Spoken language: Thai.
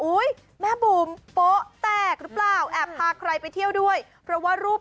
แม่บูมโป๊ะแตกหรือเปล่าแอบพาใครไปเที่ยวด้วยเพราะว่ารูป